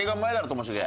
ともしげ。